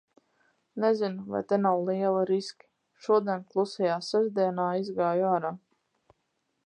Nezinu, vai te nav lieli riski. Šodien Klusajā sestdienā izgāju ārā.